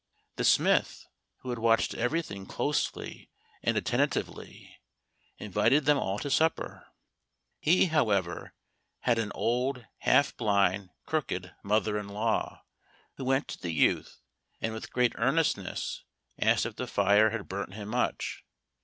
The smith, who had watched everything closely and attentively, invited them all to supper. He, however, had an old half blind crooked, mother in law who went to the youth, and with great earnestness asked if the fire had burnt him much.